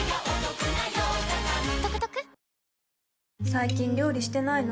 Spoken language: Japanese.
最近料理してないの？